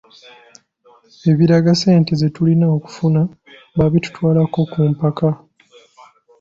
Ebiraga ssente ze tulina okufuna baabitutwalako ku mpaka.